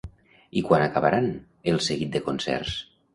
I quan acabaran el seguit de concerts?